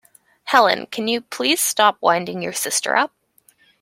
Helen, can you please stop winding your sister up?